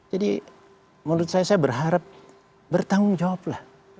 jadi menurut saya saya berharap bertanggung jawab lah